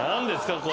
これ。